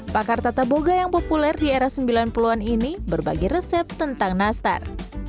pakar tata boga yang populer di era sembilan puluh an ini berbagi resep tentang nastar